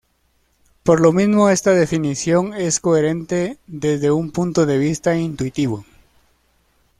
Por lo mismo esta definición es coherente desde un punto de vista intuitivo.